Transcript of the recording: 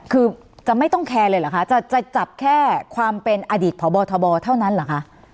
คือจะไม่ต้องแคร์เลยเหรอคะจะจับแค่ความเป็นอดีตพบทบเท่านั้นเหรอคะ